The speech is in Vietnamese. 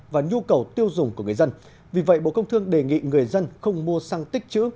và nhu cầu tiêu dùng của người dân vì vậy bộ công thương đề nghị người dân không mua xăng tích chữ